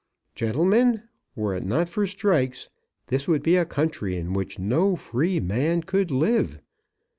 Gentlemen, were it not for strikes, this would be a country in which no free man could live.